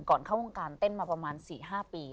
เข้าวงการเต้นมาประมาณ๔๕ปี